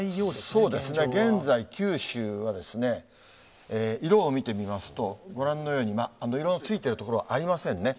そうですね、現在、九州は、色を見てみますと、ご覧のように、色のついている所、ありませんね。